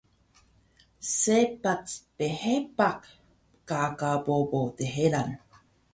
Sepac phepah gaga bobo dheran